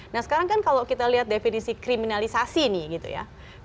nah sekarang kan kalau kita lihat definisi kriminalisasi nih gitu ya